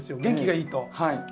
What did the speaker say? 元気がいいと。